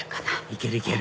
いけるいける！